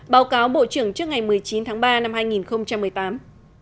báo cáo bộ trưởng trước ngày một mươi chín tháng ba năm hai nghìn một mươi tám